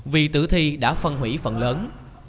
vì tử thi đã phân hủy phần lớn